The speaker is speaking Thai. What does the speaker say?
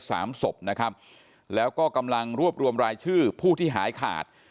สามศพนะครับแล้วก็กำลังรวบรวมรายชื่อผู้ที่หายขาด